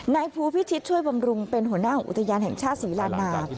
นายภูพิชิตช่วยบำรุงเป็นหัวหน้าของอุทยานแห่งชาติศรีลานา